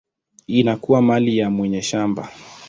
inakuwa mali ya mwenye shamba.